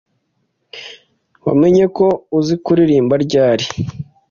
Wamenye ko uzi kuririmba ryari